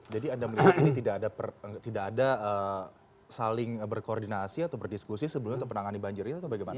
jadi anda melihat ini tidak ada saling berkoordinasi atau berdiskusi sebelumnya untuk menangani banjir itu atau bagaimana